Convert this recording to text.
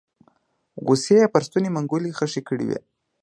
غصې يې پر ستوني منګولې خښې کړې وې